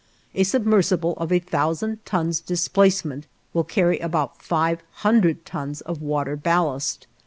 A submersible of a thousand tons displacement will carry about five hundred tons of water ballast.